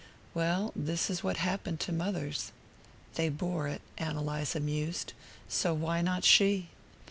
Well, this was what happened to mothers. They bore it, Ann Eliza mused; so why not she?